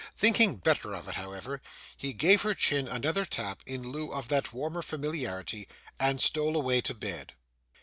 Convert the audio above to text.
Thinking better of it, however, he gave her chin another tap, in lieu of that warmer familiarity, and stole away to bed.